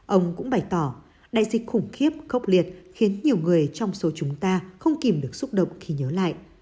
ông cũng bày tỏ đại dịch khủng khiếp khốc liệt khiến nhiều người trong số chúng ta không kìm được xúc động khi nhớ lại